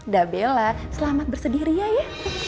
dah bella selamat bersedih ria ya